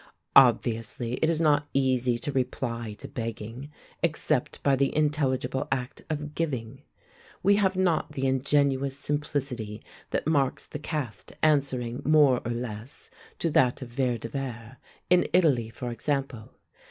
Obviously it is not easy to reply to begging except by the intelligible act of giving. We have not the ingenuous simplicity that marks the caste answering more or less to that of Vere de Vere, in Italy, for example.